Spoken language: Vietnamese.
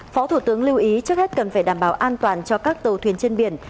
phó thủ tướng lưu ý trước hết cần phải đảm bảo an toàn cho các tàu thuyền trên biển